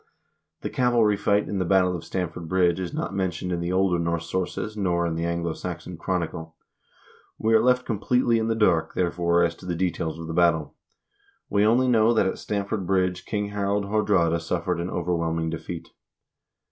The cavalry fight in the battle of Stamford Bridge is not mentioned in the older Norse sources,1 nor in the "Anglo Saxon Chronicle." We are left completely in the dark, therefore, as to the details of the battle. We only know that at Stamford Bridge King Harald Haardraade suffered an overwhelming defeat.